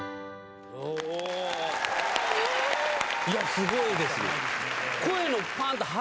すごいですね。